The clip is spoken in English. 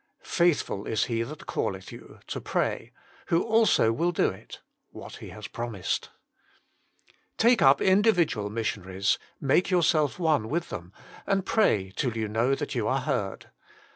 "Faithful is He that calleth you" (to pray), "who also will do it" (what He has promised). Take up individual missionaries, make yourself one with them, and pray till you know that you are heard.